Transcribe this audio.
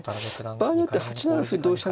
場合によっては８七歩同飛車